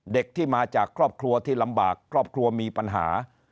ที่มาจากครอบครัวที่ลำบากครอบครัวมีปัญหา